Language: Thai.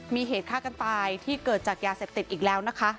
มีเหตุฆ่ากันตายที่เกิดจากยาเสพติดอีกแล้วนะคะ